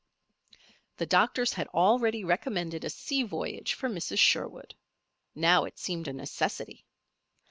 The doctors had already recommended a sea voyage for Mrs. Sherwood. Now it seemed a necessity.